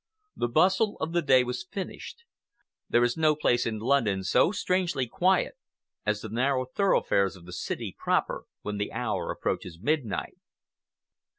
The bustle of the day was finished. There is no place in London so strangely quiet as the narrow thoroughfares of the city proper when the hour approaches midnight.